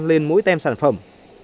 lên mỗi tem sản phẩm